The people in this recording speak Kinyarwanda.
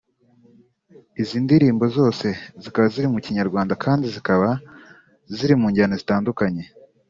Izi ndirimbo zose zikaba ziri mukinyarwanda kandi zikaba zirimunjyana zitandukanye